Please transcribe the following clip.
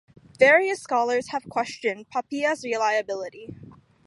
Various scholars have questioned Papias' reliability.